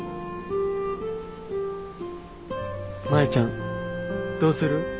マヤちゃんどうする？